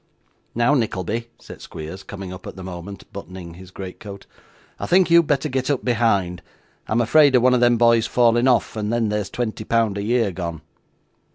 'Now, Nickleby,' said Squeers, coming up at the moment buttoning his greatcoat; 'I think you'd better get up behind. I'm afraid of one of them boys falling off and then there's twenty pound a year gone.